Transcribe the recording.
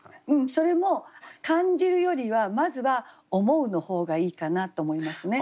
それも「感じる」よりはまずは「思う」の方がいいかなと思いますね。